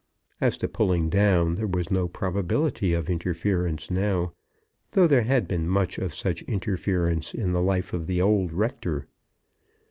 As to pulling down, there was no probability of interference now, though there had been much of such interference in the life of the old rector.